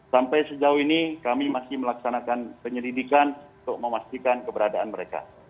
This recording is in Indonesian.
sampai sejauh ini kami masih melaksanakan penyelidikan untuk memastikan keberadaan mereka